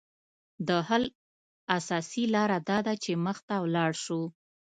د حل اساسي لاره داده چې مخ ته ولاړ شو